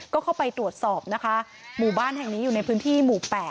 ก็เข้าไปตรวจสอบนะคะหมู่บ้านแห่งนี้อยู่ในพื้นที่หมู่๘